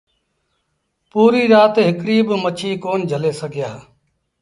پوريٚ رآت هڪڙيٚ با مڇيٚ ڪون جھلي سگھيآ۔